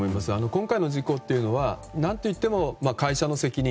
今回の事故というのは何といっても会社の責任